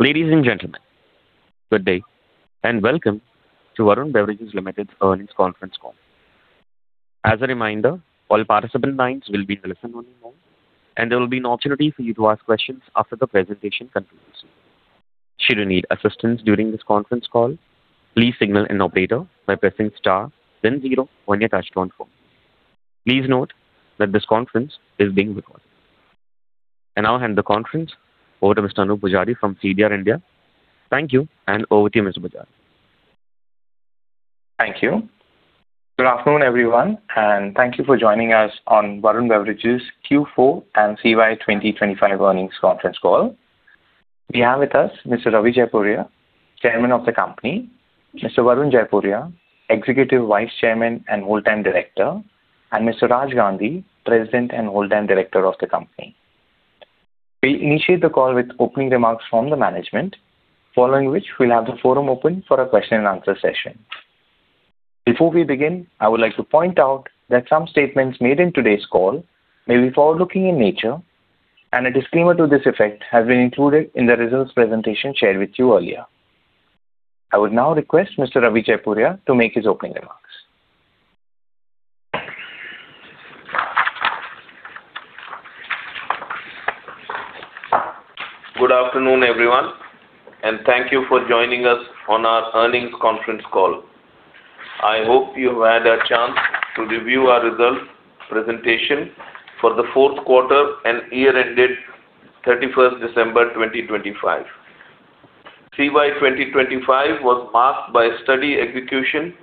Ladies and gentlemen, good day, and welcome to Varun Beverages Limited's earnings conference call. As a reminder, all participant lines will be listen-only mode, and there will be an opportunity for you to ask questions after the presentation concludes. Should you need assistance during this conference call, please signal an operator by pressing star, then zero on your touchtone phone. Please note that this conference is being recorded. I now hand the conference over to Mr. Anoop Poojari from CDR India. Thank you, and over to you, Mr. Poojari. Thank you. Good afternoon, everyone, and thank you for joining us on Varun Beverages Q4 and CY 2025 earnings conference call. We have with us Mr. Ravi Jaipuria, Chairman of the company, Mr. Varun Jaipuria, Executive Vice Chairman and Whole Time Director, and Mr. Raj Gandhi, President and Whole Time Director of the company. We initiate the call with opening remarks from the management, following which we'll have the forum open for a question and answer session. Before we begin, I would like to point out that some statements made in today's call may be forward-looking in nature, and a disclaimer to this effect has been included in the results presentation shared with you earlier. I would now request Mr. Ravi Jaipuria to make his opening remarks. Good afternoon, everyone, and thank you for joining us on our earnings conference call. I hope you've had a chance to review our results presentation for the fourth quarter and year ended December 31st, 2025. CY 2025 was marked by steady execution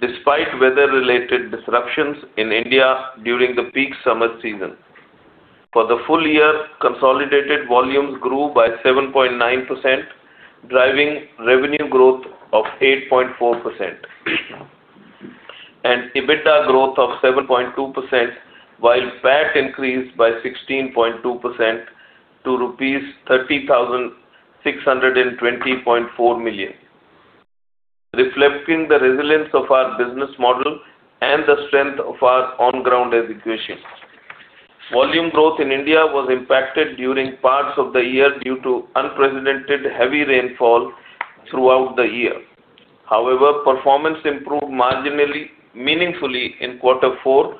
despite weather-related disruptions in India during the peak summer season. For the full year, consolidated volumes grew by 7.9%, driving revenue growth of 8.4%. EBITDA growth of 7.2%, while PAT increased by 16.2% to 30,620.4 million rupees, reflecting the resilience of our business model and the strength of our on-ground execution. Volume growth in India was impacted during parts of the year due to unprecedented heavy rainfall throughout the year. However, performance improved marginally, meaningfully in quarter four,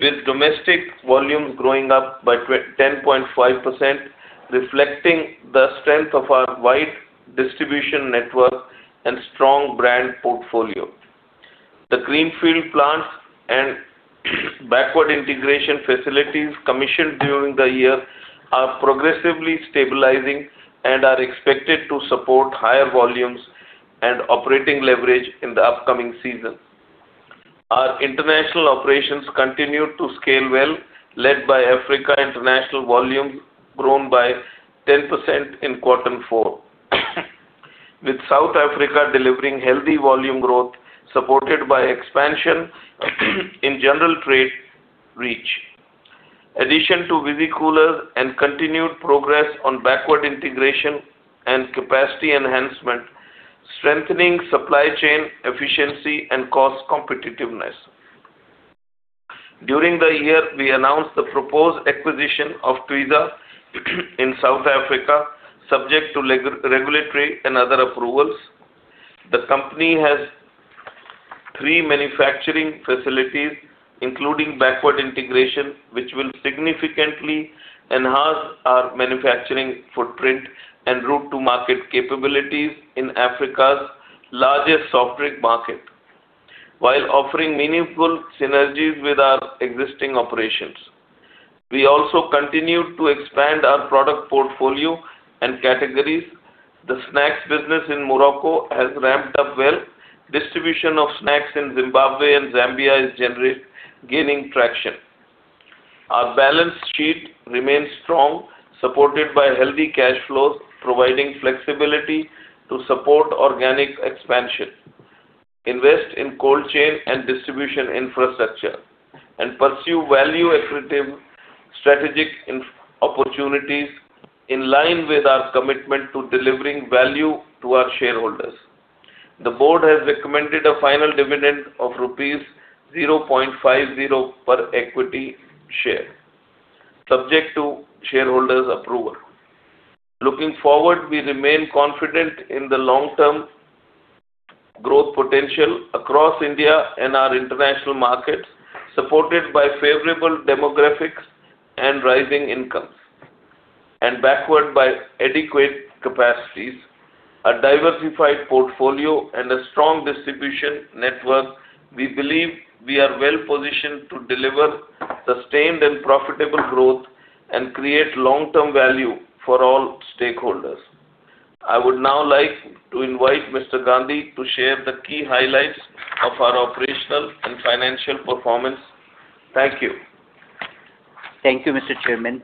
with domestic volumes growing up by 10.5%, reflecting the strength of our wide distribution network and strong brand portfolio. The greenfield plants and backward integration facilities commissioned during the year are progressively stabilizing and are expected to support higher volumes and operating leverage in the upcoming season. Our international operations continued to scale well, led by Africa. International volume grown by 10% in quarter four. With South Africa delivering healthy volume growth, supported by expansion in general trade reach. Addition to visi-cooler and continued progress on backward integration and capacity enhancement, strengthening supply chain efficiency and cost competitiveness. During the year, we announced the proposed acquisition of Twizza in South Africa, subject to regulatory and other approvals. The company has three manufacturing facilities, including backward integration, which will significantly enhance our manufacturing footprint and route to market capabilities in Africa's largest soft drink market, while offering meaningful synergies with our existing operations. We also continued to expand our product portfolio and categories. The snacks business in Morocco has ramped up well. Distribution of snacks in Zimbabwe and Zambia is gaining traction. Our balance sheet remains strong, supported by healthy cash flows, providing flexibility to support organic expansion, invest in cold chain and distribution infrastructure, and pursue value accretive strategic opportunities in line with our commitment to delivering value to our shareholders. The board has recommended a final dividend of rupees 0.50 per equity share, subject to shareholders' approval. Looking forward, we remain confident in the long-term growth potential across India and our international markets, supported by favorable demographics and rising incomes, and backed by adequate capacities, a diversified portfolio and a strong distribution network. We believe we are well positioned to deliver sustained and profitable growth and create long-term value for all stakeholders. I would now like to invite Mr. Gandhi to share the key highlights of our operational and financial performance. Thank you. Thank you, Mr. Chairman.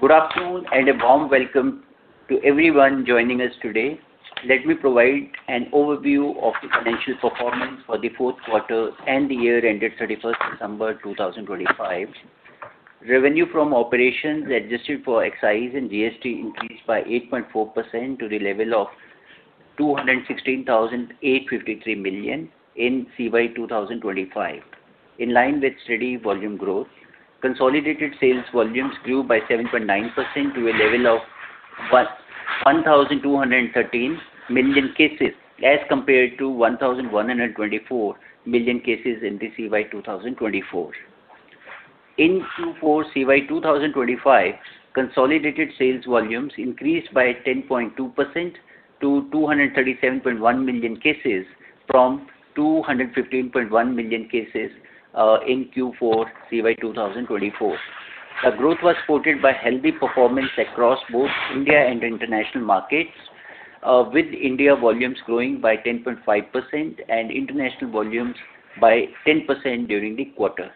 Good afternoon, and a warm welcome to everyone joining us today. Let me provide an overview of the financial performance for the fourth quarter and the year ended December 31st, 2025. Revenue from operations adjusted for excise and GST increased by 8.4% to the level of 216,853 million in CY 2025. In line with steady volume growth, consolidated sales volumes grew by 7.9% to a level of 1,213 million cases, as compared to 1,124 million cases in the CY 2024. In Q4 CY 2025, consolidated sales volumes increased by 10.2% to 237.1 million cases from 215.1 million cases in Q4 CY 2024. The growth was supported by healthy performance across both India and international markets with India volumes growing by 10.5% and international volumes by 10% during the quarter.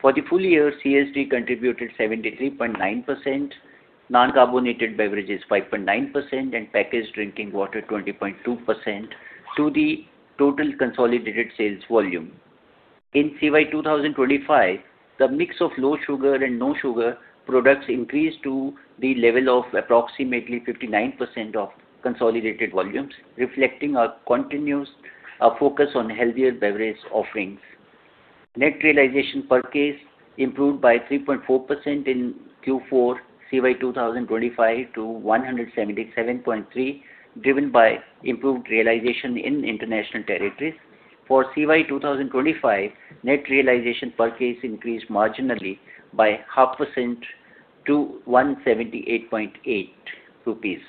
For the full year, CSD contributed 73.9%, non-carbonated beverages 5.9%, and packaged drinking water 20.2% to the total consolidated sales volume. In CY 2025, the mix of low sugar and no sugar products increased to the level of approximately 59% of consolidated volumes, reflecting our continuous focus on healthier beverage offerings. Net realization per case improved by 3.4% in Q4 CY 2025 to 177.3, driven by improved realization in international territories. For CY 2025, net realization per case increased marginally by 0.5% to 178.8 rupees.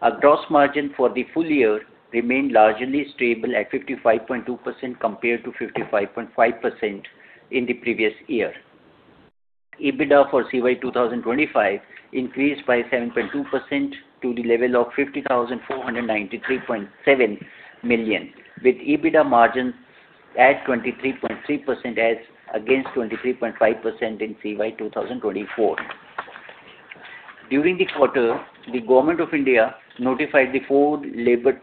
Our gross margin for the full year remained largely stable at 55.2%, compared to 55.5% in the previous year. EBITDA for CY 2025 increased by 7.2% to the level of 50,493.7 million, with EBITDA margin at 23.3% as against 23.5% in CY 2024. During the quarter, the Government of India notified the four labor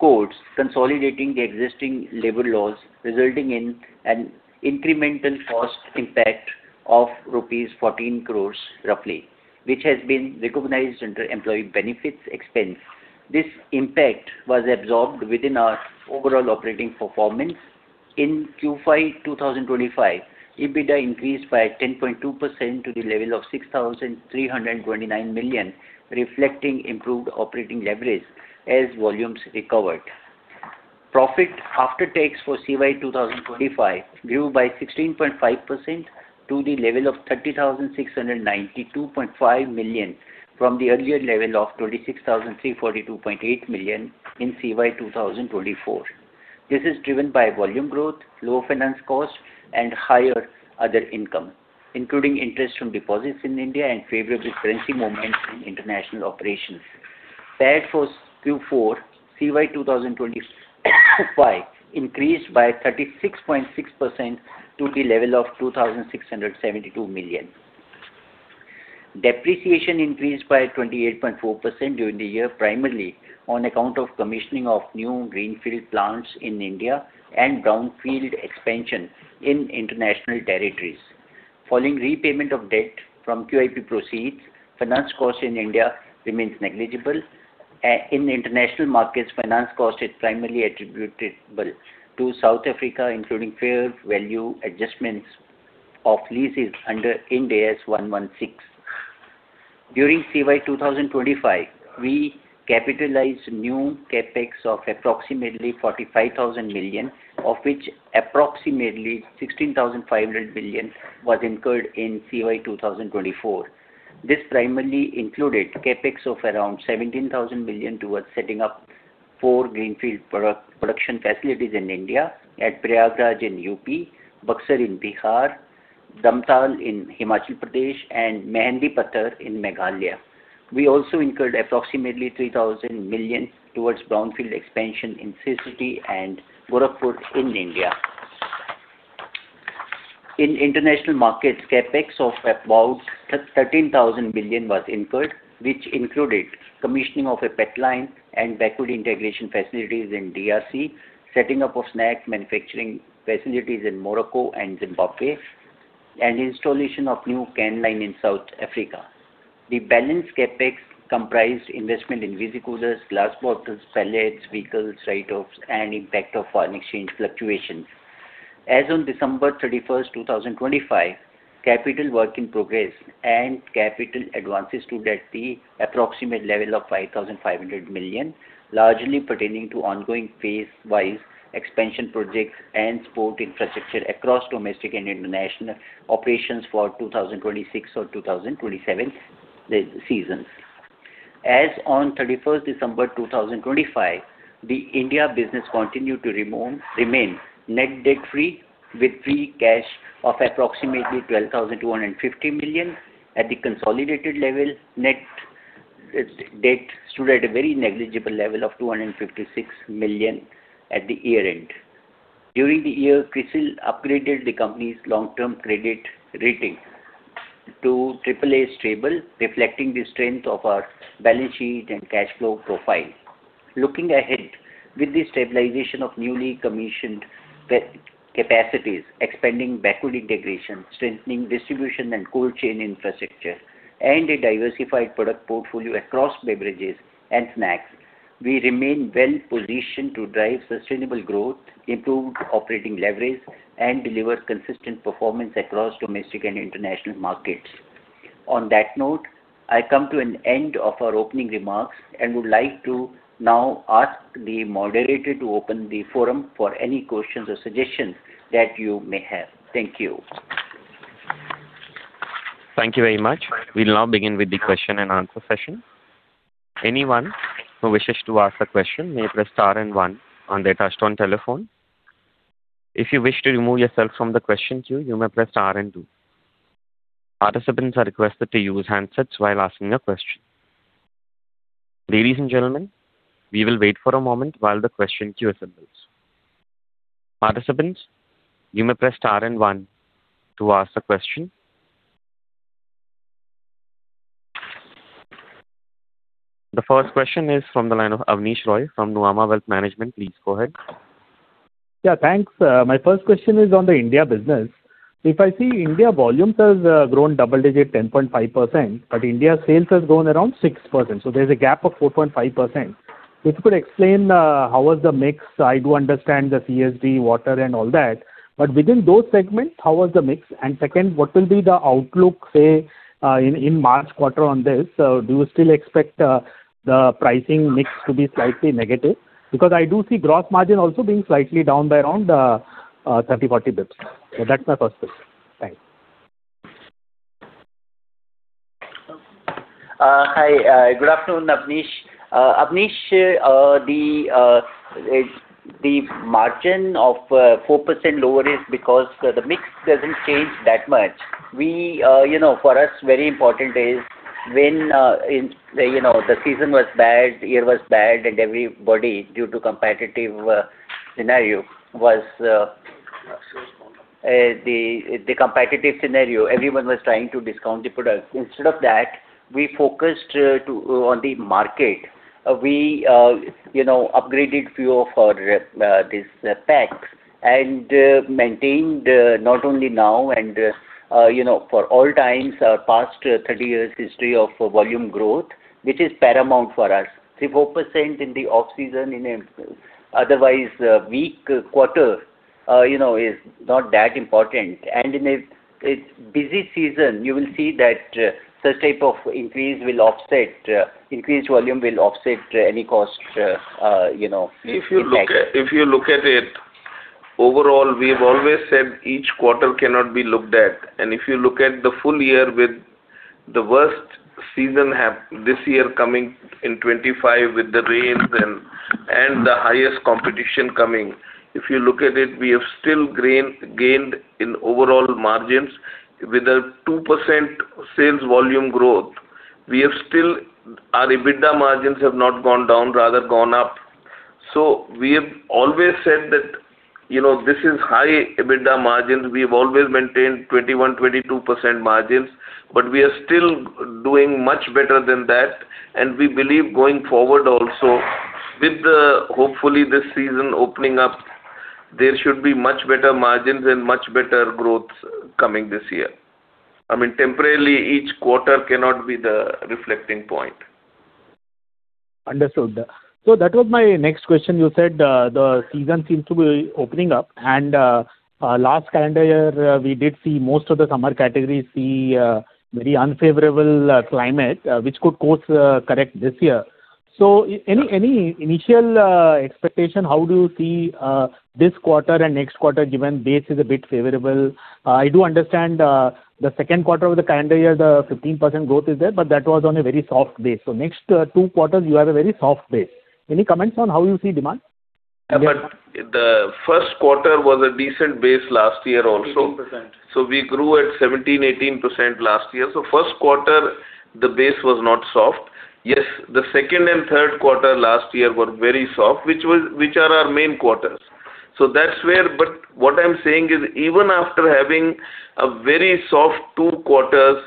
codes, consolidating the existing labor laws, resulting in an incremental cost impact of rupees 14 crore, roughly, which has been recognized under employee benefits expense. This impact was absorbed within our overall operating performance. In Q4 2025, EBITDA increased by 10.2% to the level of 6,329 million, reflecting improved operating leverage as volumes recovered. Profit after tax for CY 2025 grew by 16.5% to the level of 30,692.5 million, from the earlier level of 26,342.8 million in CY 2024. This is driven by volume growth, low finance costs, and higher other income, including interest from deposits in India and favorable currency movements in international operations. PAT was Q4, CY 2025, increased by 36.6% to the level of 2,672 million. Depreciation increased by 28.4% during the year, primarily on account of commissioning of new greenfield plants in India and brownfield expansion in international territories. Following repayment of debt from QIP proceeds, finance costs in India remains negligible. In international markets, finance cost is primarily attributable to South Africa, including fair value adjustments of leases under Ind AS 116. During CY 2025, we capitalized new CapEx of approximately 45,000 million, of which approximately 16,500 million was incurred in CY 2024. This primarily included CapEx of around 17,000 million towards setting up four greenfield production facilities in India at Prayagraj in UP, Buxar in Bihar, Damtal in Himachal Pradesh, and Mendipathar in Meghalaya. We also incurred approximately 3,000 million towards brownfield expansion in Sri City and Gorakhpur in India. In international markets, CapEx of about 13,000 million was incurred, which included commissioning of a PET line and backward integration facilities in DRC, setting up of snack manufacturing facilities in Morocco and Zimbabwe, and installation of new can line in South Africa. The balance CapEx comprised investment in visi-coolers, glass bottles, pellets, vehicles, write-offs, and impact of foreign exchange fluctuations. As on December 31st, 2025, capital work in progress and capital advances stood at the approximate level of 5,500 million, largely pertaining to ongoing phase-wise expansion projects and sports infrastructure across domestic and international operations for 2026 or 2027 seasons. As on December 31, 2025, the India business continued to remain net debt-free, with free cash of approximately 12,250 million. At the consolidated level, net debt stood at a very negligible level of 256 million at the year-end. During the year, CRISIL upgraded the company's long-term credit rating to AAA Stable, reflecting the strength of our balance sheet and cash flow profile. Looking ahead. With the stabilization of newly commissioned capacities, expanding backward integration, strengthening distribution and cold chain infrastructure, and a diversified product portfolio across beverages and snacks, we remain well-positioned to drive sustainable growth, improve operating leverage, and deliver consistent performance across domestic and international markets. On that note, I come to an end of our opening remarks, and would like to now ask the moderator to open the forum for any questions or suggestions that you may have. Thank you. Thank you very much. We'll now begin with the question and answer session. Anyone who wishes to ask a question may press star and one on their touchtone telephone. If you wish to remove yourself from the question queue, you may press star and two. Participants are requested to use handsets while asking a question. Ladies and gentlemen, we will wait for a moment while the question queue assembles. Participants, you may press star and one to ask a question. The first question is from the line of Abneesh Roy from Nuvama Wealth Management. Please go ahead. Yeah, thanks. My first question is on the India business. If I see India volumes has grown double-digit 10.5%, but India's sales has grown around 6%, so there's a gap of 4.5%. If you could explain how was the mix? I do understand the CSD, water, and all that, but within those segments, how was the mix? And second, what will be the outlook, say, in March quarter on this? So do you still expect the pricing mix to be slightly negative? Because I do see gross margin also being slightly down by around 30-40 basis points. So that's my first question. Thank you. Hi, good afternoon, Abneesh. Abneesh, the margin of 4% lower is because the mix doesn't change that much. We, you know, for us, very important is when, in, you know, the season was bad, the year was bad, and everybody, due to the competitive scenario, everyone was trying to discount the product. Instead of that, we focused on the market. We, you know, upgraded few of our this packs and maintained, not only now and, you know, for all times, our past 30 years history of volume growth, which is paramount for us. The 4% in the off-season in an otherwise weak quarter, you know, is not that important. In a busy season, you will see that such type of increase will offset increased volume will offset any cost, you know. If you look at, if you look at it, overall, we've always said each quarter cannot be looked at. And if you look at the full year with the worst seasonal half, this year coming in 2025 with the rains and, and the highest competition coming, if you look at it, we have still gained in overall margins. With a 2% sales volume growth, we have still... Our EBITDA margins have not gone down, rather gone up. So we have always said that, you know, this is high EBITDA margins. We have always maintained 21%-22% margins, but we are still doing much better than that. And we believe going forward also, with hopefully this season opening up, there should be much better margins and much better growth coming this year. I mean, temporarily, each quarter cannot be the reflecting point. Understood. So that was my next question. You said, the season seems to be opening up, and, last calendar year, we did see most of the summer categories see, very unfavorable, climate, which could, of course, correct this year. So any initial expectation, how do you see, this quarter and next quarter, given base is a bit favorable? I do understand, the second quarter of the calendar year, the 15% growth is there, but that was on a very soft base. So next two quarters, you have a very soft base. Any comments on how you see demand? But the first quarter was a decent base last year also. 17%. So we grew at 17%-18% last year. So first quarter, the base was not soft. Yes, the second and third quarter last year were very soft, which was, which are our main quarters. So that's where... But what I'm saying is, even after having a very soft two quarters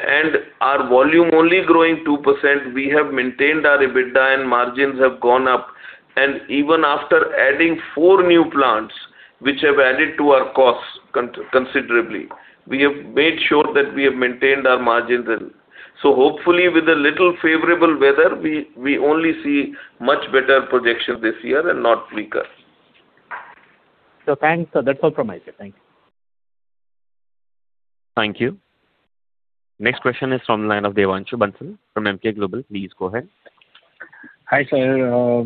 and our volume only growing 2%, we have maintained our EBITDA and margins have gone up. And even after adding four new plants, which have added to our costs considerably, we have made sure that we have maintained our margins well. So hopefully, with a little favorable weather, we only see much better projection this year and not weaker. Thanks. That's all from my side. Thank you. Thank you. Next question is from the line of Devanshu Bansal from Emkay Global. Please go ahead. Hi, sir.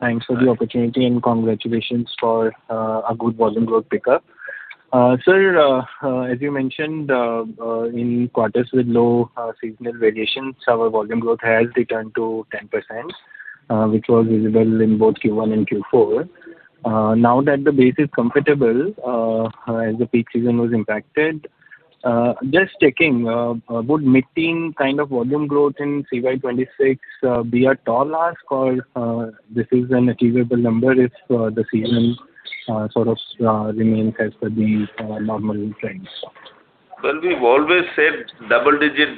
Thanks for the opportunity, and congratulations for a good volume growth pickup. Sir, as you mentioned, in quarters with low seasonal variations, our volume growth has returned to 10%, which was visible in both Q1 and Q4. Now that the base is comfortable, as the peak season was impacted, just checking, would mid-teen kind of volume growth in CY 2026 be a tall ask, or this is an achievable number if the season sort of remains as per the normal trends?... Well, we've always said double-digit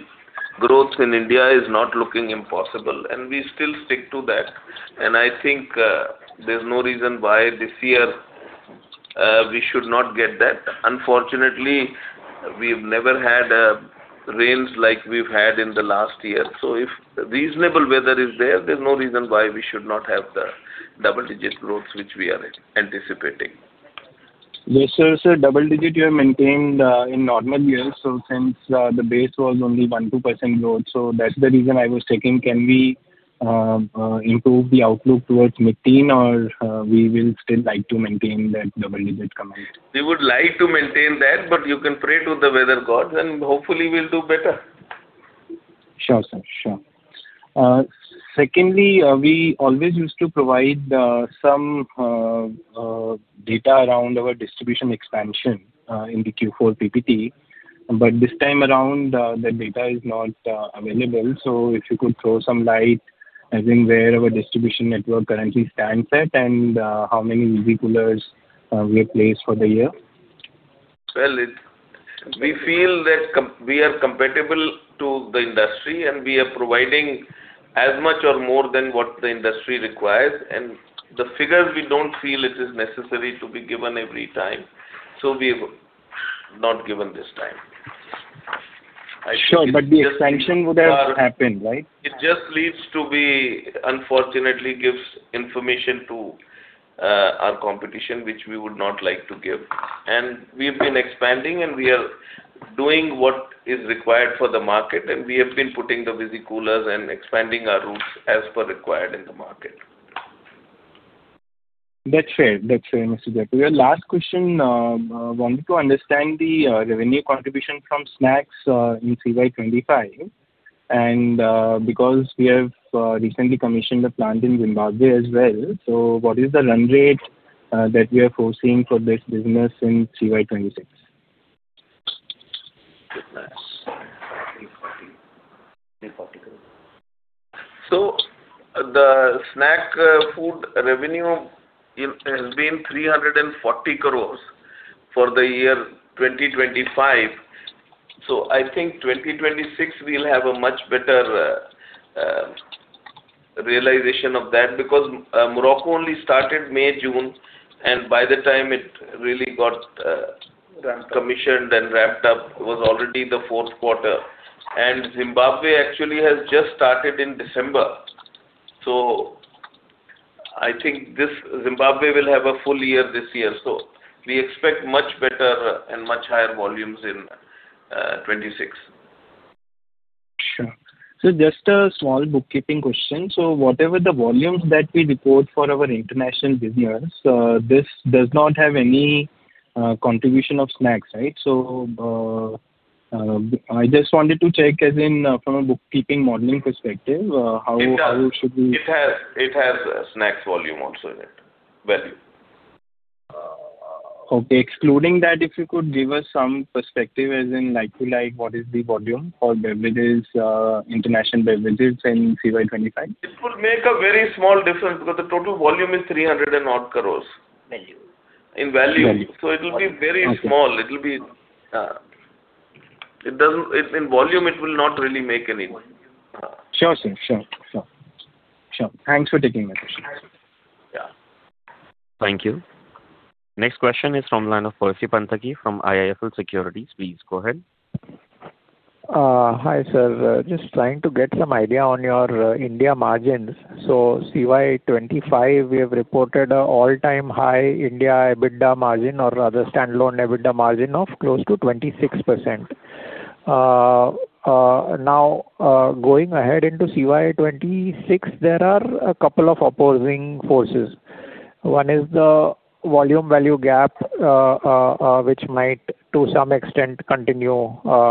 growth in India is not looking impossible, and we still stick to that. I think, there's no reason why this year, we should not get that. Unfortunately, we've never had, rains like we've had in the last year. So if reasonable weather is there, there's no reason why we should not have the double-digit growths which we are anticipating. Yes, sir. So double-digit, you have maintained, in normal years, so since, the base was only 1%-2% growth, so that's the reason I was checking. Can we, improve the outlook towards mid-teen, or, we will still like to maintain that double-digit commitment? We would like to maintain that, but you can pray to the weather gods, and hopefully we'll do better. Sure, sir. Sure. Secondly, we always used to provide some data around our distribution expansion in the Q4 PPT, but this time around, the data is not available. So if you could throw some light, as in where our distribution network currently stands at, and how many visi-coolers we have placed for the year. Well, we feel that we are comparable to the industry, and we are providing as much or more than what the industry requires. And the figures, we don't feel it is necessary to be given every time, so we've not given this time. Sure, but the expansion would have happened, right? It just leads, unfortunately, to gives information to our competition, which we would not like to give. We've been expanding, and we are doing what is required for the market, and we have been putting the visi-coolers and expanding our routes as per required in the market. That's fair. That's fair, Mr. Jai. Your last question wanted to understand the revenue contribution from snacks in FY 2025. And because we have recently commissioned a plant in Zimbabwe as well, so what is the run rate that we are foreseeing for this business in FY 2026? So the snack food revenue in has been 340 crores for the year 2025. So I think 2026, we'll have a much better realization of that, because Morocco only started May, June, and by the time it really got commissioned and wrapped up, it was already the fourth quarter. And Zimbabwe actually has just started in December. So I think this, Zimbabwe will have a full year this year, so we expect much better and much higher volumes in 2026. Sure. So just a small bookkeeping question. So whatever the volumes that we report for our international business, this does not have any contribution of snacks, right? So, I just wanted to check, as in, from a bookkeeping modeling perspective, how- It does. How it should be. It has, it has, snacks volume also in it. Value. Okay. Excluding that, if you could give us some perspective, as in like to like, what is the volume for beverages, international beverages in CY 2025? It would make a very small difference, because the total volume is 300 and odd crores. Value. In value. Value. It will be very small. Okay. It'll be. It doesn't. In, in volume, it will not really make any. Sure, sir. Sure. Sure. Sure. Thanks for taking my question. Yeah. Thank you. Next question is from line of Percy Panthaki from IIFL Securities. Please go ahead. Hi, sir. Just trying to get some idea on your India margins. So CY 2025, we have reported an all-time high India EBITDA margin or rather standalone EBITDA margin of close to 26%. Now, going ahead into CY 2026, there are a couple of opposing forces. One is the volume-value gap, which might, to some extent, continue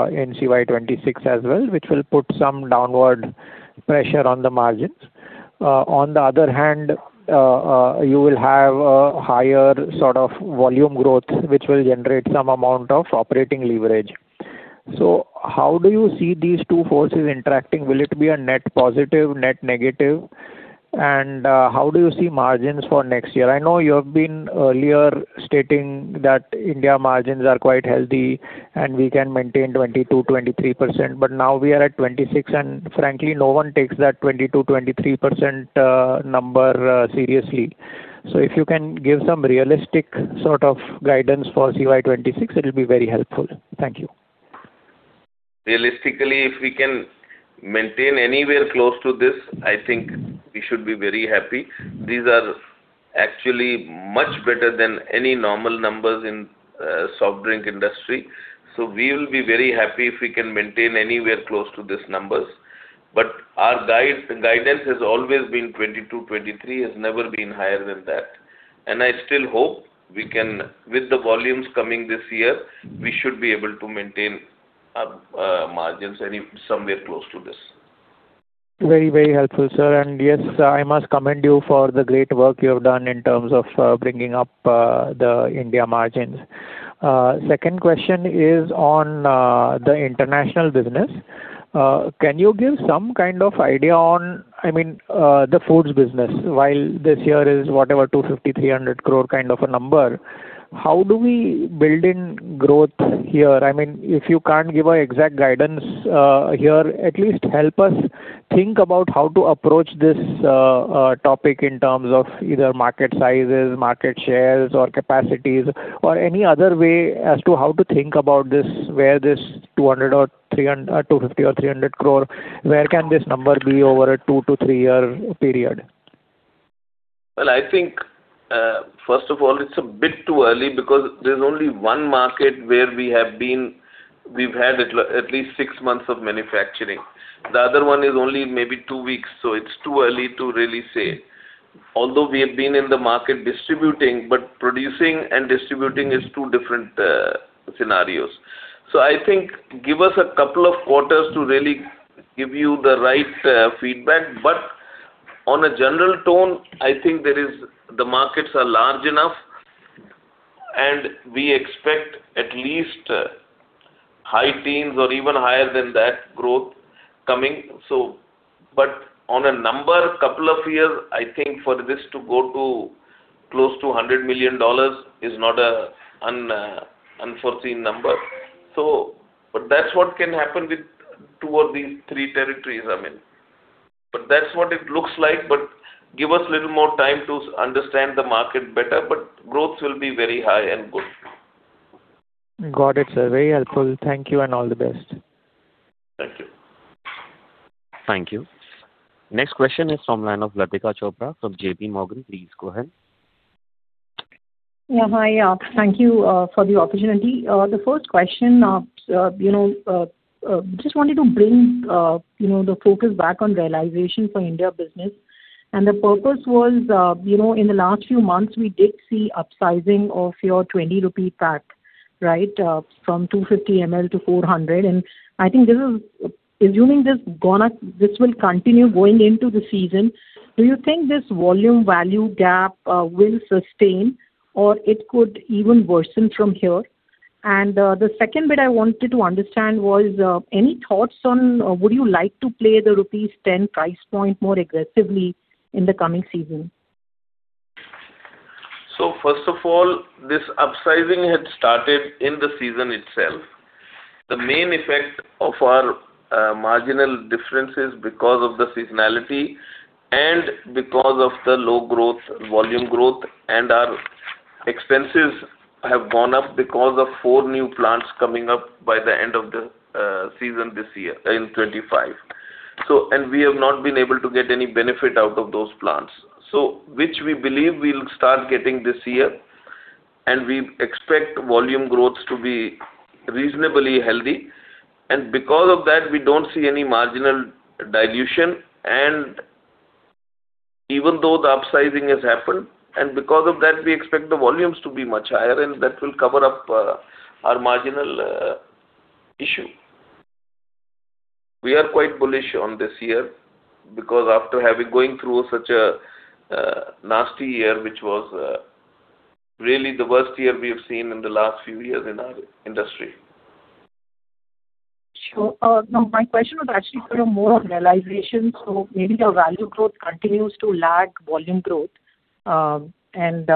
in CY 2026 as well, which will put some downward pressure on the margins. On the other hand, you will have a higher sort of volume growth, which will generate some amount of operating leverage. So how do you see these two forces interacting? Will it be a net positive, net negative? And, how do you see margins for next year? I know you have been earlier stating that India margins are quite healthy, and we can maintain 22%-23%, but now we are at 26%, and frankly, no one takes that 22%-23% number seriously. So if you can give some realistic sort of guidance for CY 2026, it'll be very helpful. Thank you. Realistically, if we can maintain anywhere close to this, I think we should be very happy. These are actually much better than any normal numbers in soft drink industry. So we will be very happy if we can maintain anywhere close to these numbers. But our guidance has always been 22%-23%, it's never been higher than that. And I still hope we can, with the volumes coming this year, we should be able to maintain margins somewhere close to this. Very, very helpful, sir. Yes, I must commend you for the great work you have done in terms of bringing up the India margins. Second question is on the international business. Can you give some kind of idea on, I mean, the foods business? While this year is whatever, 250-300 crore kind of a number, how do we build in growth here? I mean, if you can't give an exact guidance, here, at least help us think about how to approach this topic in terms of either market sizes, market shares, or capacities, or any other way as to how to think about this, where this 250 or 300 crore, where can this number be over a 2-3-year period? Well, I think, first of all, it's a bit too early because there's only one market where we've had at least 6 months of manufacturing. The other one is only maybe two weeks, so it's too early to really say. Although we have been in the market distributing, but producing and distributing is two different scenarios. So I think give us a couple of quarters to really give you the right feedback. But on a general tone, I think the markets are large enough, and we expect at least high teens or even higher than that growth coming, so... But on a number, couple of years, I think for this to go to close to $100 million is not a unforeseen number. So, but that's what can happen with two of these three territories, I mean. But that's what it looks like, but give us a little more time to understand the market better, but growth will be very high and good. Got it, sir. Very helpful. Thank you, and all the best. Thank you. Thank you. Next question is from line of Latika Chopra from JPMorgan. Please go ahead. Yeah, hi. Thank you for the opportunity. The first question, you know, just wanted to bring, you know, the focus back on realization for India business. And the purpose was, you know, in the last few months, we did see upsizing of your 20 rupee pack, right? From 250 ml to 400. And I think this is, assuming this gone up, this will continue going into the season, do you think this volume, value gap will sustain, or it could even worsen from here? And, the second bit I wanted to understand was, any thoughts on, would you like to play the rupees 10 price point more aggressively in the coming season? So first of all, this upsizing had started in the season itself. The main effect of our marginal difference is because of the seasonality and because of the low growth, volume growth, and our expenses have gone up because of four new plants coming up by the end of the season this year, in 2025. So, and we have not been able to get any benefit out of those plants. So which we believe we'll start getting this year, and we expect volume growth to be reasonably healthy, and because of that, we don't see any marginal dilution. And even though the upsizing has happened, and because of that, we expect the volumes to be much higher, and that will cover up our marginal issue. We are quite bullish on this year, because after having going through such a nasty year, which was really the worst year we have seen in the last few years in our industry. Sure. No, my question was actually sort of more on realization. So maybe your value growth continues to lag volume growth, and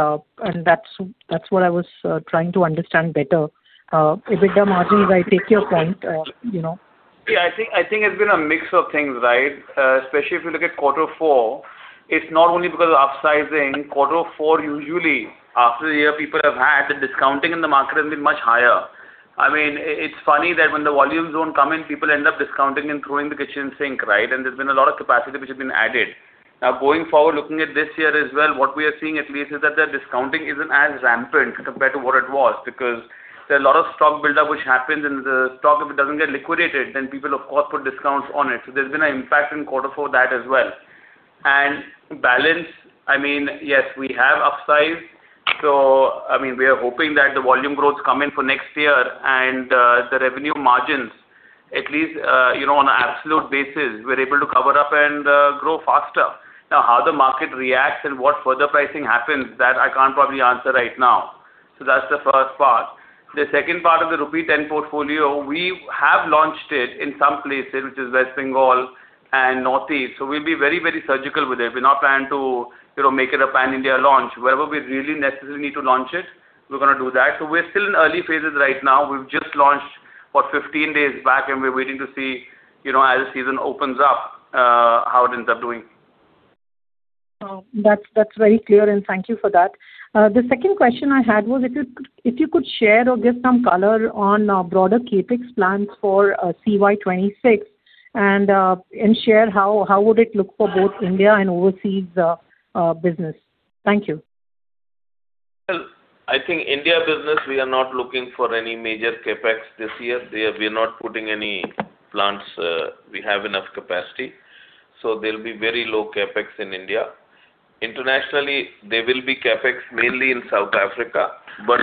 that's what I was trying to understand better. EBITDA margins, I take your point, you know. Yeah, I think, I think it's been a mix of things, right? Especially if you look at quarter four, it's not only because of upsizing. Quarter four, usually, after the year, people have had, the discounting in the market has been much higher. I mean, it's funny that when the volumes don't come in, people end up discounting and throwing the kitchen sink, right? And there's been a lot of capacity which has been added. Now, going forward, looking at this year as well, what we are seeing at least is that the discounting isn't as rampant compared to what it was. Because there are a lot of stock buildup which happens, and the stock, if it doesn't get liquidated, then people, of course, put discounts on it. So there's been an impact in quarter four that as well. And balance, I mean, yes, we have upsized. So, I mean, we are hoping that the volume growths come in for next year, and, the revenue margins, at least, you know, on an absolute basis, we're able to cover up and, grow faster. Now, how the market reacts and what further pricing happens, that I can't probably answer right now. So that's the first part. The second part of the rupee 10 portfolio, we have launched it in some places, which is West Bengal and Northeast, so we'll be very, very surgical with it. We're not planning to, you know, make it a pan-India launch. Wherever we really necessarily need to launch it, we're gonna do that. So we're still in early phases right now. We've just launched for 15 days back, and we're waiting to see, you know, as the season opens up, how it ends up doing. Oh, that's, that's very clear, and thank you for that. The second question I had was if you, if you could share or give some color on, broader CapEx plans for, CY 2026, and, and share how, how would it look for both India and overseas, business? Thank you. Well, I think India business, we are not looking for any major CapEx this year. We are, we're not putting any plants, we have enough capacity. So there'll be very low CapEx in India. Internationally, there will be CapEx mainly in South Africa, but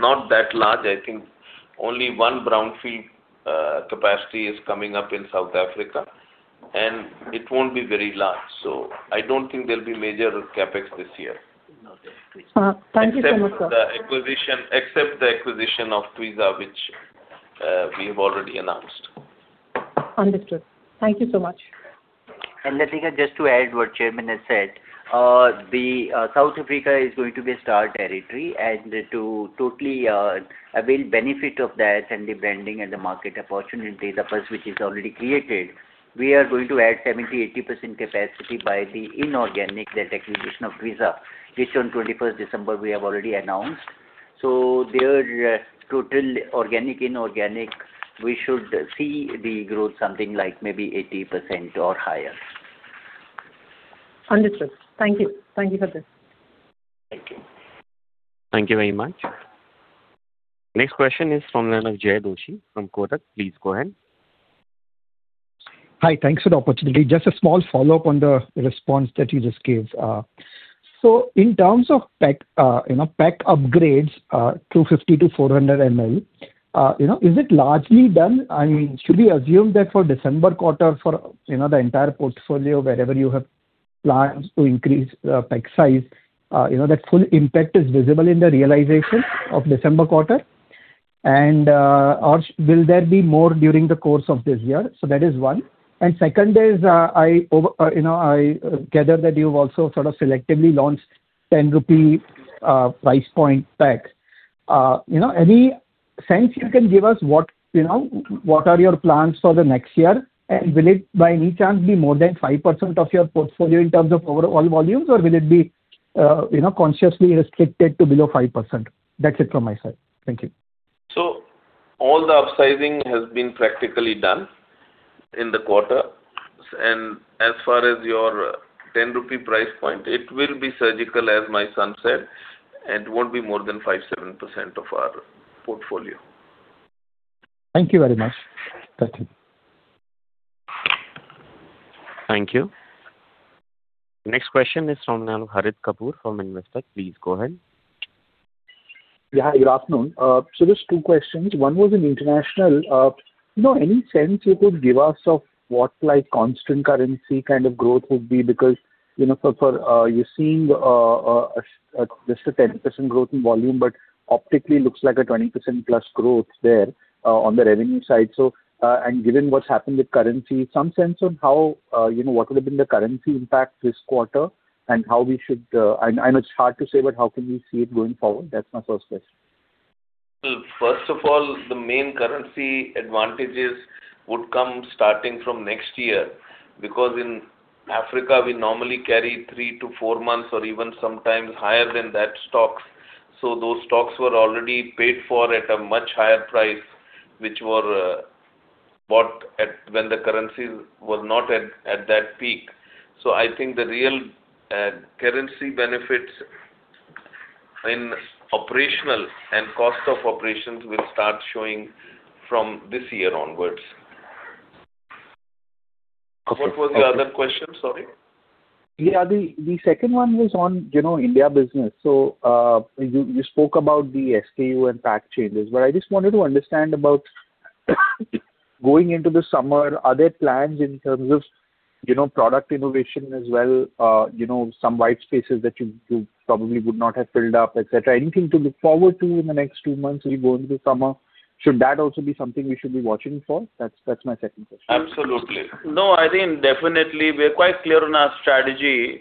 not that large. I think only one brownfield, capacity is coming up in South Africa, and it won't be very large. So I don't think there'll be major CapEx this year.... Thank you so much, sir. Except the acquisition, except the acquisition of Twizza, which, we have already announced. Understood. Thank you so much. And Latika, just to add what chairman has said, the South Africa is going to be a star territory, and to totally avail benefit of that and the branding and the market opportunity, the pulse which is already created, we are going to add 70%-80% capacity by the inorganic, that acquisition of Twizza, which on twenty-first December we have already announced. So there, total organic, inorganic, we should see the growth something like maybe 80% or higher. Understood. Thank you. Thank you for this. Thank you. Thank you very much. Next question is from the line of Jai Doshi, from Kotak. Please go ahead. Hi, thanks for the opportunity. Just a small follow-up on the response that you just gave. So in terms of pack, you know, pack upgrades, 250-400 ml, you know, is it largely done? I mean, should we assume that for December quarter, for, you know, the entire portfolio, wherever you have plans to increase, pack size, you know, that full impact is visible in the realization of December quarter? And, or will there be more during the course of this year? So that is one. And second is, I over, you know, I gather that you've also sort of selectively launched 10 rupee price point packs. You know, any sense you can give us what, you know, what are your plans for the next year? Will it, by any chance, be more than 5% of your portfolio in terms of overall volumes, or will it be, you know, consciously restricted to below 5%? That's it from my side. Thank you. All the upsizing has been practically done in the quarter. As far as your 10 rupee price point, it will be surgical, as my son said, and won't be more than 5%-7% of our portfolio. Thank you very much. That's it. Thank you. Next question is from Harit Kapoor, from Investec. Please go ahead. Yeah, good afternoon. So just two questions. One was in international. You know, any sense you could give us of what, like, constant currency kind of growth would be? Because, you know, for, you're seeing, just a 10% growth in volume, but optically looks like a 20%+ growth there, on the revenue side. So, and given what's happened with currency, some sense on how, you know, what would have been the currency impact this quarter, and how we should, I know it's hard to say, but how can we see it going forward? That's my first question. Well, first of all, the main currency advantages would come starting from next year, because in Africa, we normally carry three to four months or even sometimes higher than that, stocks. So those stocks were already paid for at a much higher price, which were bought at when the currency was not at that peak. So I think the real currency benefits in operational and cost of operations will start showing from this year onwards. Okay. What was the other question? Sorry. Yeah, the second one was on, you know, India business. So, you spoke about the SKU and pack changes, but I just wanted to understand about going into the summer, are there plans in terms of, you know, product innovation as well? You know, some white spaces that you probably would not have filled up, et cetera. Anything to look forward to in the next two months. We'll go into the summer. Should that also be something we should be watching for? That's my second question. Absolutely. No, I think definitely we're quite clear on our strategy.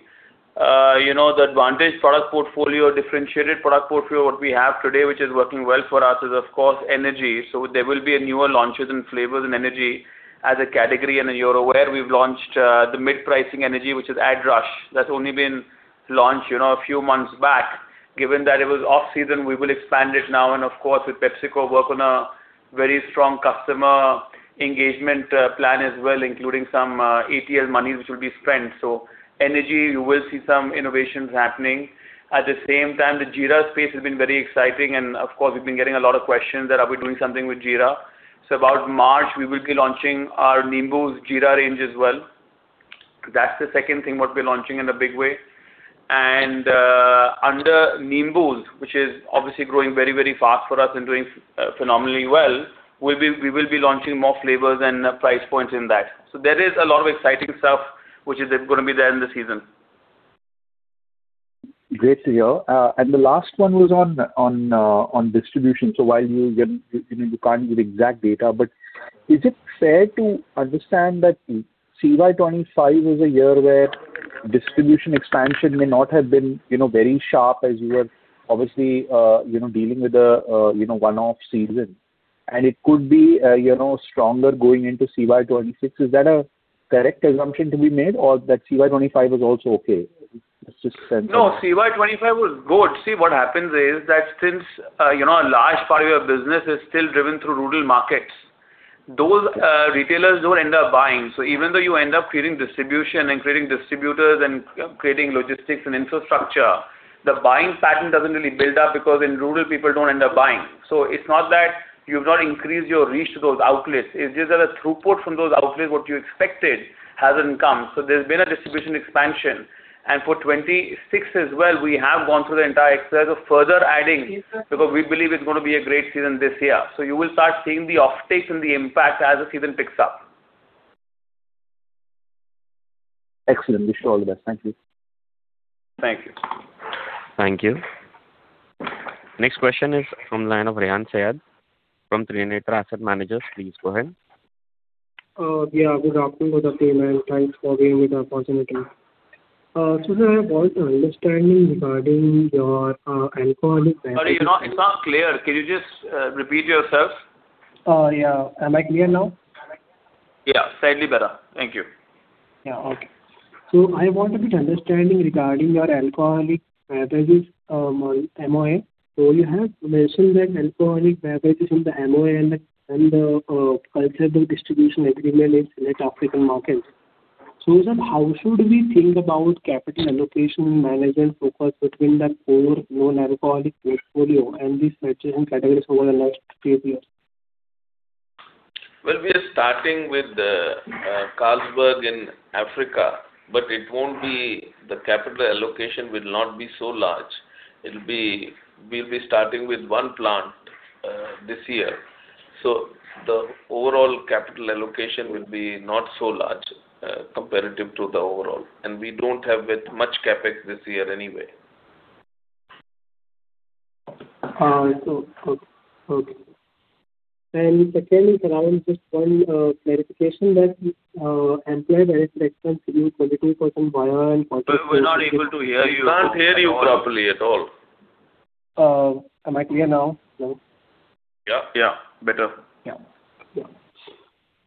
You know, the advantage product portfolio, differentiated product portfolio, what we have today, which is working well for us, is of course, energy. So there will be a newer launches in flavors and energy as a category. And in Europe, where we've launched, the mid-pricing energy, which is Adrenaline Rush. That's only been launched, you know, a few months back. Given that it was off-season, we will expand it now, and of course, with PepsiCo, work on a very strong customer engagement, plan as well, including some, ATL money, which will be spent. So energy, you will see some innovations happening. At the same time, the Jeera space has been very exciting, and of course, we've been getting a lot of questions that are we doing something with Jeera? So about March, we will be launching our Nimbooz's Jeera range as well. That's the second thing what we're launching in a big way. And under Nimbooz, which is obviously growing very, very fast for us and doing phenomenally well, we will be launching more flavors and price points in that. So there is a lot of exciting stuff which is gonna be there in the season. Great to hear. And the last one was on distribution. So while you know, you can't give exact data, but is it fair to understand that CY 2025 is a year where distribution expansion may not have been, you know, very sharp as you were obviously dealing with a one-off season? And it could be stronger going into CY 2026. Is that a correct assumption to be made, or that CY 2025 is also okay? Just to- No, CY 2025 was good. See, what happens is that since, you know, a large part of your business is still driven through rural markets, those retailers don't end up buying. So even though you end up creating distribution and creating distributors and creating logistics and infrastructure, the buying pattern doesn't really build up because in rural, people don't end up buying. So it's not that you've not increased your reach to those outlets, it's just that the throughput from those outlets, what you expected, hasn't come. So there's been a distribution expansion. And for 2026 as well, we have gone through the entire exercise of further adding, because we believe it's gonna be a great season this year. So you will start seeing the off-take and the impact as the season picks up.... Excellent! Wish you all the best. Thank you. Thank you. Thank you. Next question is from the line of Rehan Saiyyed from Trinetra Asset Managers. Please go ahead. Yeah, good afternoon to the team, and thanks for giving me the opportunity. So sir, I have got an understanding regarding your, alcoholic- Sorry, it's not, it's not clear. Could you just, repeat yourself? Yeah. Am I clear now? Yeah, slightly better. Thank you. Yeah. Okay. So I want better understanding regarding your alcoholic beverages MOA. So you have mentioned that alcoholic beverages in the MOA and the Carlsberg distribution agreement in select African markets. So sir, how should we think about capital allocation management focus between that core non-alcoholic portfolio and the stretching categories over the next three years? Well, we are starting with the Carlsberg in Africa, but it won't be. The capital allocation will not be so large. It'll be. We'll be starting with one plant this year. So the overall capital allocation will be not so large, comparative to the overall, and we don't have that much CapEx this year anyway. So, okay. And secondly, around just one clarification that employee benefit expense grew 22% year-on-year and- We're not able to hear you. We can't hear you properly at all. Am I clear now? Yeah, yeah, better. Yeah. Yeah.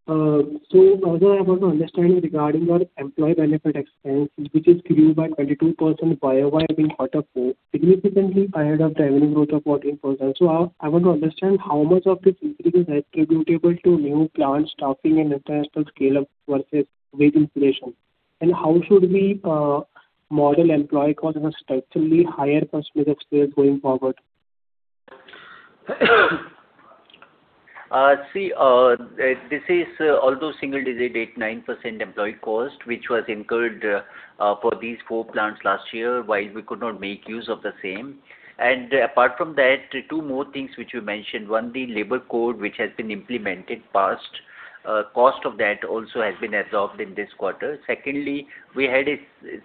So further, I want to understand regarding our employee benefit expense, which is grew by 22% year-on-year in quarter four, significantly ahead of the revenue growth of 14%. So I want to understand how much of this increase is attributable to new plant staffing and international scale-up versus wage inflation. And how should we model employee costs in a structurally higher cost wage expense going forward? See, this is although single digit, 8%-9% employee cost, which was incurred for these 4 plants last year, while we could not make use of the same. And apart from that, two more things which you mentioned. One, the labor code, which has been implemented past, cost of that also has been absorbed in this quarter. Secondly, we had a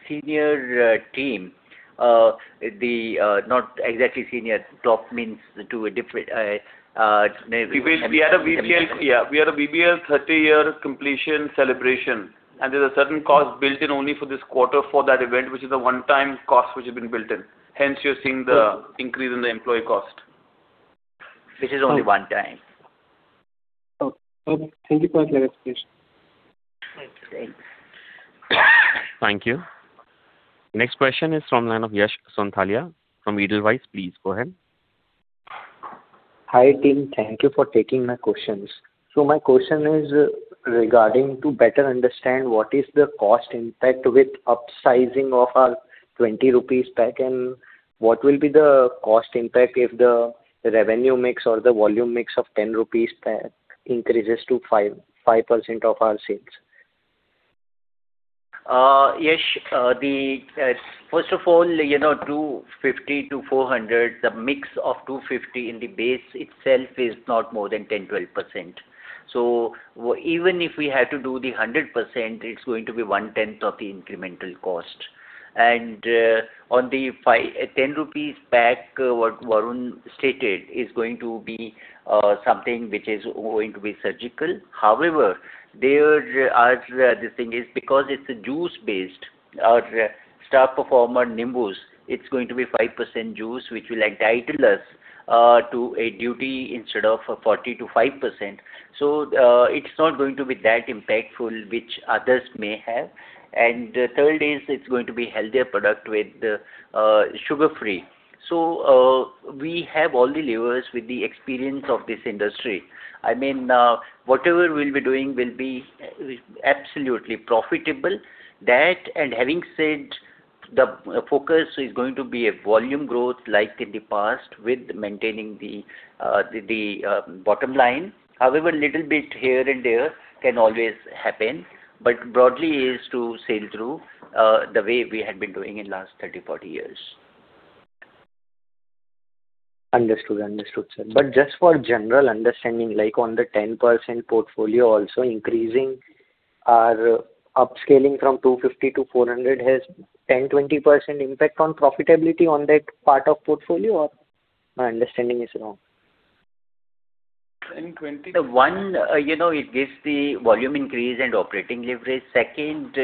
senior team, the, not exactly senior, top means to a different, ne- We had a VBL... Yeah, we had a VBL 30-year completion celebration, and there's a certain cost built in only for this quarter for that event, which is a one-time cost which has been built in. Hence, you're seeing the increase in the employee cost. Which is only one time. Okay. Thank you for the clarification. Thank you. Thank you. Next question is from line of Yash Sonthaliya from Edelweiss. Please go ahead. Hi, team. Thank you for taking my questions. So my question is regarding to better understand what is the cost impact with upsizing of our 20 rupees pack, and what will be the cost impact if the revenue mix or the volume mix of 10 rupees pack increases to 55% of our sales? Yash, the first of all, you know, 250 ml-400 ml, the mix of 250 in the base itself is not more than 10%-12%. So even if we had to do the 100%, it's going to be one-tenth of the incremental cost. And on the 5-10 rupees pack, what Varun stated, is going to be something which is going to be surgical. However, there are, the thing is, because it's a juice-based, our star performer, Nimbooz, it's going to be 5% juice, which will entitle us to a duty instead of a 40%-5%. So it's not going to be that impactful, which others may have. And third is, it's going to be healthier product with sugar-free. So we have all the levers with the experience of this industry. I mean, whatever we'll be doing will be, absolutely profitable. That, and having said, the focus is going to be a volume growth like in the past, with maintaining the bottom line. However, little bit here and there can always happen, but broadly is to sail through, the way we had been doing in last 30, 40 years. Understood. Understood, sir. But just for general understanding, like on the 10% portfolio also increasing our upscaling from 250ml to 400ml has 10%-20% impact on profitability on that part of portfolio, or my understanding is wrong? In twenty- The one, you know, it gives the volume increase and operating leverage. Second,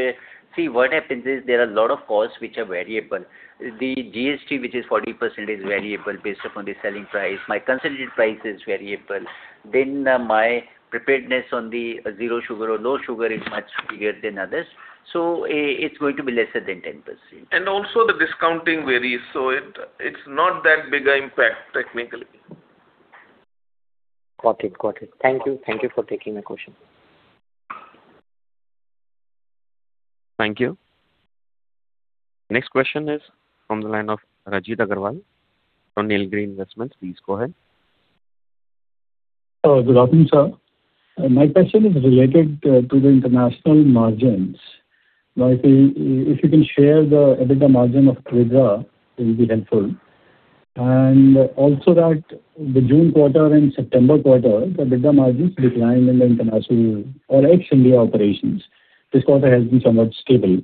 see, what happens is there are a lot of costs which are variable. The GST, which is 40%, is variable based upon the selling price. My consolidated price is variable. Then, my preparedness on the zero sugar or low sugar is much bigger than others. So it's going to be lesser than 10%. Also, the discounting varies, so it's not that big an impact, technically. Got it, got it. Thank you. Thank you for taking my question. Thank you. Next question is from the line of Rajit Aggarwal from Nilgiri Investment. Please go ahead. Good afternoon, sir. My question is related to the international margins. Like, if you can share the EBITDA margin of Twizza, it will be helpful. And also that the June quarter and September quarter, the EBITDA margins declined in the international or ex-India operations. This quarter has been somewhat stable.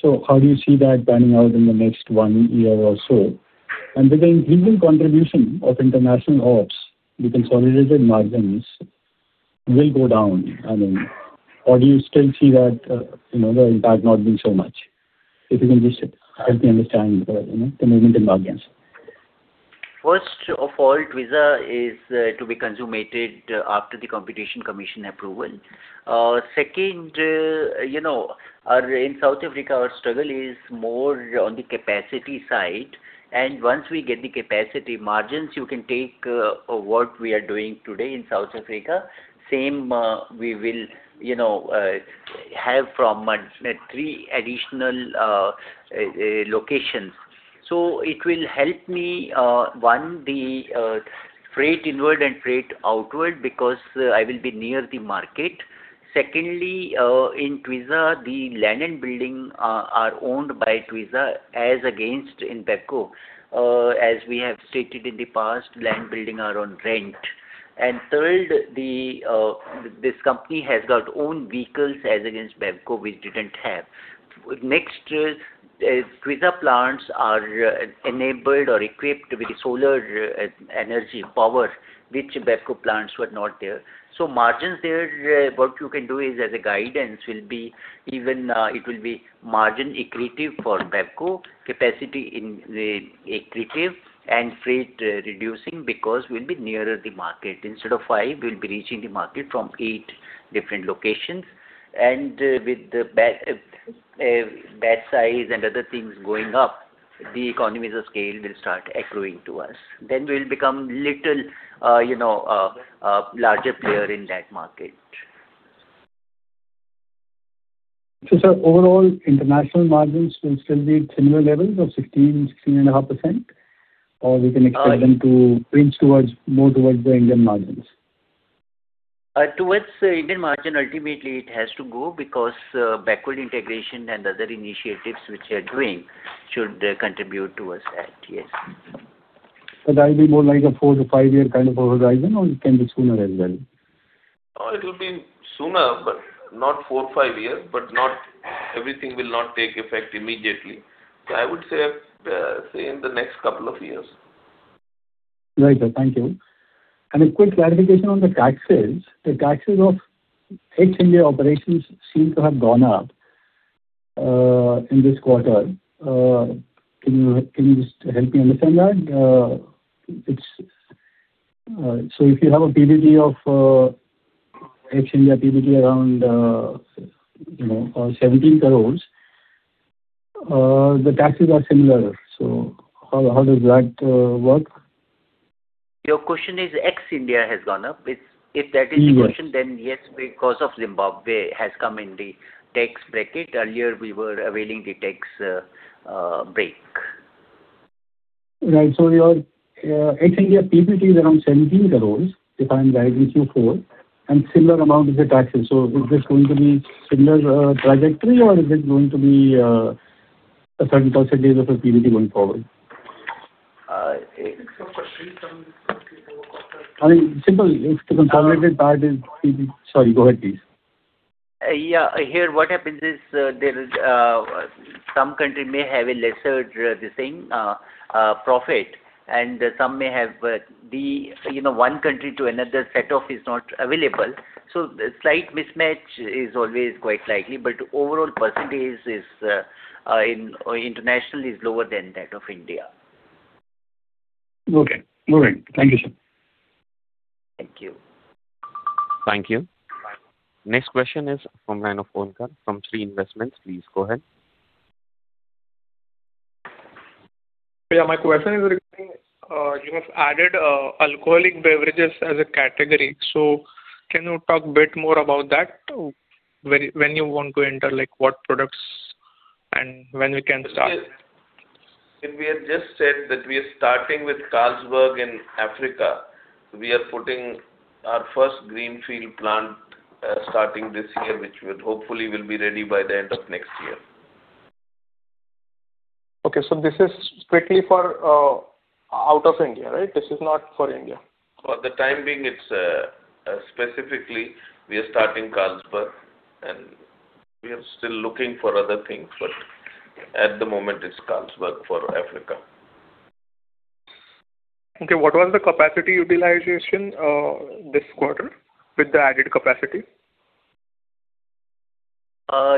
So how do you see that panning out in the next one year or so? And with the increasing contribution of international ops, the consolidated margins will go down, I mean, or do you still see that, you know, the impact not being so much? If you can just help me understand the, you know, the movement in margins. First of all, Twizza is to be consummated after the Competition Commission approval. Second, you know, our, in South Africa, our struggle is more on the capacity side, and once we get the capacity margins, you can take what we are doing today in South Africa, same, we will, you know, have from three additional locations. So it will help me, one, the freight inward and freight outward, because I will be near the market. Secondly, in Twizza, the land and building are owned by Twizza, as against in BevCo. As we have stated in the past, land building are on rent. And third, the this company has got own vehicles as against BevCo, we didn't have. Next is, Twizza plants are enabled or equipped with solar, energy power, which BevCo plants were not there. So margins there, what you can do is, as a guidance, will be even, it will be margin accretive for BevCo, capacity in accretive and freight, reducing because we'll be nearer the market. Instead of 5, we'll be reaching the market from 8 different locations. And, with the batch size and other things going up, the economies of scale will start accruing to us. Then we'll become little, you know, a larger player in that market. So, sir, overall, international margins will still be at similar levels of 16%-16.5%? Or we can expect them to pinch towards, more towards the Indian margins. Towards the Indian margin, ultimately, it has to go, because backward integration and other initiatives which we are doing should contribute towards that, yes. But that'll be more like a 4- to 5-year kind of a horizon, or it can be sooner as well? No, it will be sooner, but not 4-5 years, but not everything will not take effect immediately. I would say, in the next couple of years. Right, sir. Thank you. And a quick clarification on the taxes. The taxes of ex-India operations seem to have gone up in this quarter. Can you just help me understand that? It's so if you have a PBT of ex-India PBT around, you know, 17 crore, the taxes are similar. So how does that work? Your question is ex-India has gone up? If that is the question- Yes. then yes, because of Zimbabwe has come in the tax bracket. Earlier, we were availing the tax break. Right. So your, ex-India PBT is around 17 crore, if I'm right, in Q4, and similar amount is the taxes. So is this going to be similar, trajectory, or is this going to be, a certain percentage of the PBT going forward? I think the question from- I mean, simple, if the consolidated part is... Sorry, go ahead, please. Yeah. Here, what happens is, there is, some country may have a lesser, the same, profit, and some may have, the, you know, one country to another, set off is not available. So the slight mismatch is always quite likely, but overall percentage is, in, international is lower than that of India. Okay. All right. Thank you, sir. Thank you. Thank you. Next question is from the line of [Pankaj] from Shree Investments. Please, go ahead. Yeah, my question is regarding you have added alcoholic beverages as a category, so can you talk a bit more about that? When you want to enter, like, what products and when we can start? We have just said that we are starting with Carlsberg in Africa. We are putting our first greenfield plant, starting this year, which will hopefully be ready by the end of next year. Okay, so this is strictly for out of India, right? This is not for India. For the time being, it's specifically, we are starting Carlsberg, and we are still looking for other things, but at the moment, it's Carlsberg for Africa. Okay. What was the capacity utilization this quarter, with the added capacity?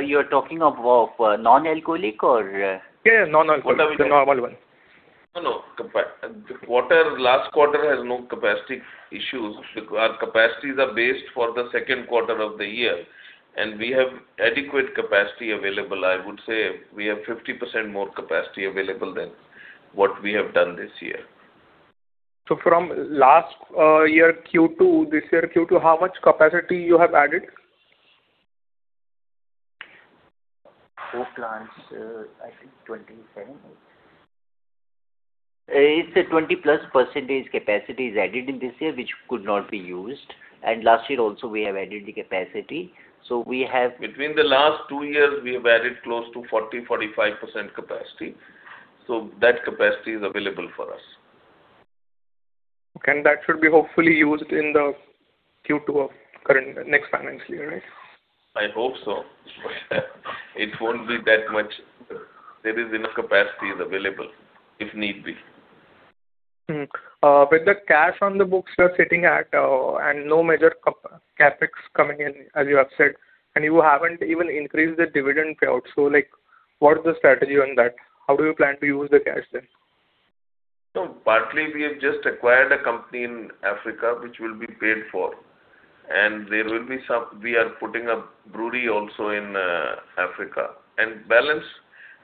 You're talking of non-alcoholic or Yeah, yeah, non-alcoholic. What are we- The normal one. No, no. Capacity. The last quarter has no capacity issues. Our capacities are based for the second quarter of the year, and we have adequate capacity available. I would say we have 50% more capacity available than what we have done this year. So from last year Q2, this year Q2, how much capacity you have added? Four plants, I think 27%. It's a 20+% capacity is added in this year, which could not be used, and last year also, we have added the capacity. So we have- Between the last two years, we have added close to 40%-45% capacity, so that capacity is available for us. And that should be hopefully used in the Q2 of current, next financial year, right? I hope so. It won't be that much. There is enough capacities available, if need be. With the cash on the books are sitting at, and no major CapEx coming in, as you have said, and you haven't even increased the dividend payout. So, like, what is the strategy on that? How do you plan to use the cash then? No, partly, we have just acquired a company in Africa which will be paid for, and there will be some. We are putting a brewery also in Africa. And balance,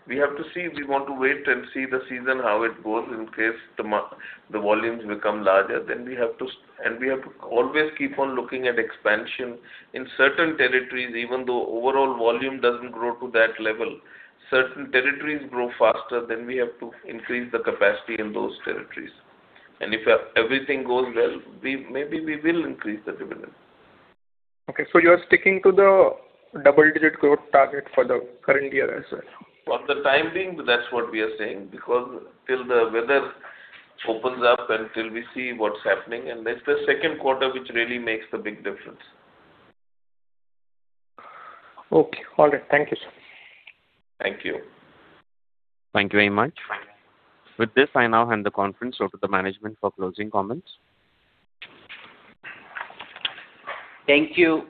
we have to see. We want to wait and see the season, how it goes, in case the volumes become larger, then we have to. And we have to always keep on looking at expansion. In certain territories, even though overall volume doesn't grow to that level, certain territories grow faster, then we have to increase the capacity in those territories. And if everything goes well, we, maybe we will increase the dividend. Okay, so you are sticking to the double-digit growth target for the current year as well? For the time being, that's what we are saying, because till the weather opens up and till we see what's happening, and that's the second quarter, which really makes the big difference. Okay. All right. Thank you, sir. Thank you. Thank you very much. With this, I now hand the conference over to the management for closing comments. Thank you.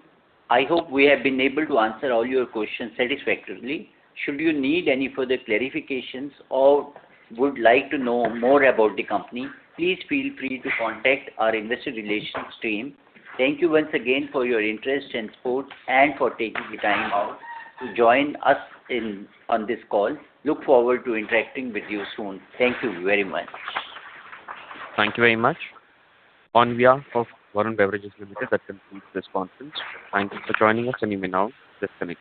I hope we have been able to answer all your questions satisfactorily. Should you need any further clarifications or would like to know more about the company, please feel free to contact our investor relations team. Thank you once again for your interest and support, and for taking the time out to join us in, on this call. Look forward to interacting with you soon. Thank you very much. Thank you very much. On behalf of Varun Beverages Limited, that concludes this conference. Thank you for joining us, and you may now disconnect.